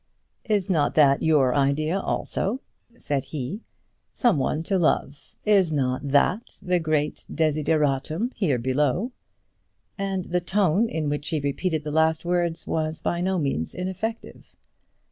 "Is not that your idea also?" said he, "some one to love; is not that the great desideratum here below!" And the tone in which he repeated the last words was by no means ineffective.